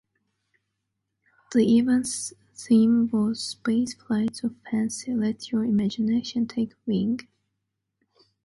The event's theme was "Space Flights of Fancy: Let Your Imagination Take Wing!".